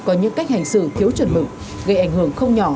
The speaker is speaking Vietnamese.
có những cách hành xử thiếu chuẩn mực gây ảnh hưởng không nhỏ